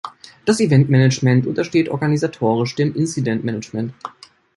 Das Event Management untersteht organisatorisch dem Incident-Management.